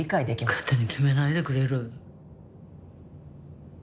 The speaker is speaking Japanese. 勝手に決めないでくれる？